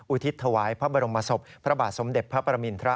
ทิศถวายพระบรมศพพระบาทสมเด็จพระปรมินทร